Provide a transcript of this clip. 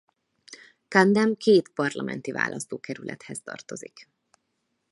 Camden két parlamenti választókerülethez tartozik.